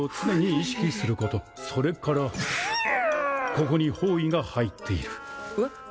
ここに法衣が入っているえっ？